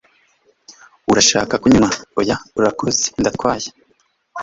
"Urashaka kunywa?" "Oya, urakoze. Ndatwaye."